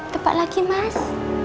tepat lagi mas